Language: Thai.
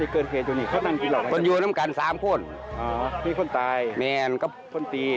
กับคนตีกับคนหมดตี